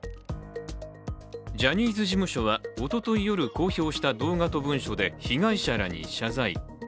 ジャニーズ事務所はおととい夜公表した動画と文書で、被害者らに謝罪。